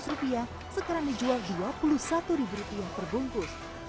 lima ratus rupiah sekarang dijual dua puluh satu ribu rupiah terbungkus